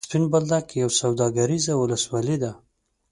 سپین بولدک یوه سوداګریزه ولسوالي ده.